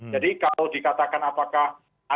jadi kalau dikatakan apakah